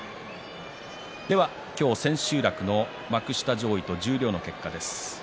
今日、千秋楽の幕下上位と十両の結果です。